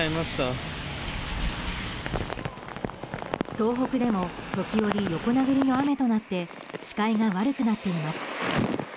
東北でも時折、横殴りの雨となって視界が悪くなっています。